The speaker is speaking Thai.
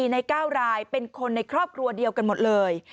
ใน๙รายเป็นคนในครอบครัวเดียวกันหมดเลย